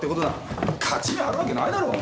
勝ち目あるわけないだろう。